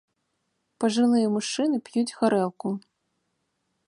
Пажылыя мужчыны п'юць гарэлку.